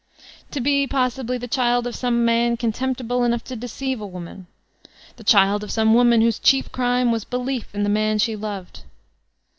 To be, possibly, the child of some man contemptible enough to deceive a woman; the child of some woman whose chief crime was belief in the man she loved.